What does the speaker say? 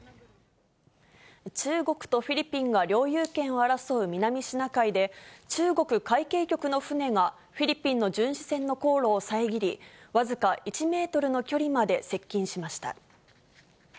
中国とフィリピンが領有権を争う南シナ海で、中国海警局の船が、フィリピンの巡視船の航路を遮り、僅か１メートルの距離まで接近しました。